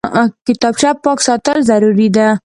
کتابچه پاک ساتل ضروري دي